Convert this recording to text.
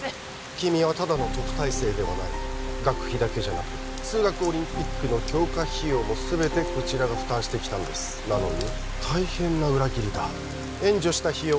君はただの特待生ではない学費だけじゃなく数学オリンピックの強化費用も全てこちらが負担してきたんですなのに大変な裏切りだ援助した費用